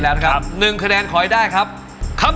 คำถามของหมูนะคะ